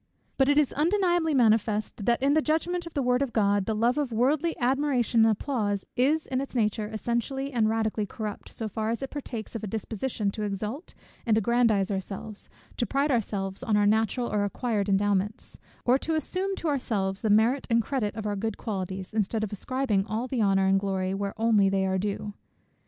But it is undeniably manifest, that in the judgment of the word of God, the love of worldly admiration and applause is in its nature essentially and radically corrupt; so far as it partakes of a disposition to exalt and aggrandize ourselves, to pride ourselves on our natural or acquired endowments, or to assume to ourselves the merit and credit of our good qualities, instead of ascribing all the honour and glory where only they are due.